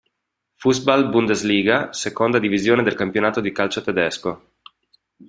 Fußball-Bundesliga, seconda divisione del campionato di calcio tedesco.